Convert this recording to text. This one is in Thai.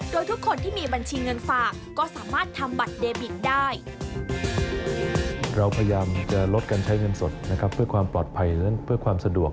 โดยทุกคนที่มีบัญชีเงินฝากก็สามารถทำบัตรเดบิตได้